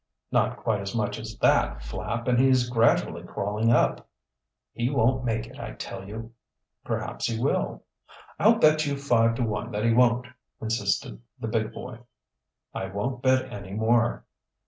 "Not quite as much as that, Flapp, and he is gradually crawling up." "He won't make it, I tell you." "Perhaps he will." "I'll bet you five to one that he won't," insisted the big boy. "I won't bet any more."